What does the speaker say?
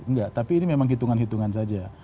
enggak tapi ini memang hitungan hitungan saja